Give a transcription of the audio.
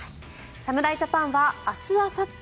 侍ジャパンは明日あさって